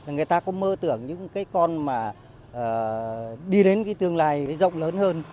người ta có mơ tưởng những cái con mà đi đến cái tương lai cái dòng lớn hơn